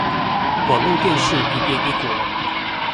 網路電視一邊一國